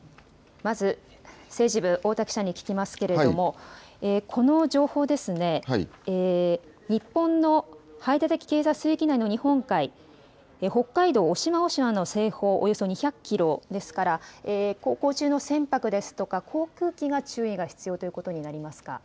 まず政治部太田記者に聞きますけれども、この情報日本の排他的経済水域内の日本海北海道渡島大島の西方、およそ２００キロですから航行中の船舶ですとか航空機、注意が必要ということになりますか。